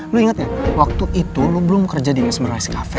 lu inget ya waktu itu lu belum kerja di mesmen rise cafe